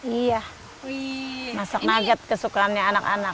iya masak nugget kesukaannya anak anak